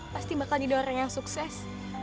pasti bakal didoain orang yang sukses